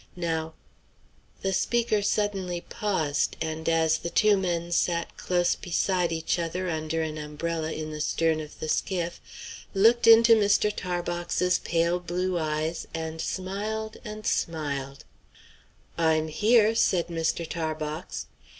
Now" The speaker suddenly paused, and, as the two men sat close beside each other under an umbrella in the stern of the skiff, looked into Mr. Tarbox's pale blue eyes, and smiled, and smiled. "I'm here," said Mr. Tarbox.